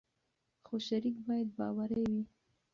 خو شریک باید باوري وي.